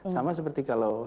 sama seperti kalau